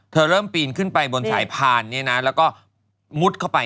เริ่มปีนขึ้นไปบนสายพานเนี่ยนะแล้วก็มุดเข้าไป